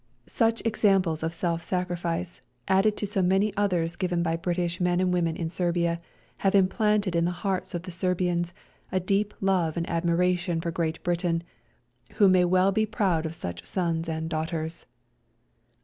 Such examples of self sacrifice, added to so many others given by British men and viii f" INTRODUCTION I women in Serbia, have implanted in the hearts of the Serbians a deep love and admiration for Great Britain, who may well be proud of such sons and daughters.